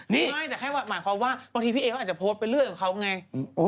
ไม่แต่แค่หมายความว่าพี่เอกอาจจะโพสต์เป็นเรื่องของเขาไง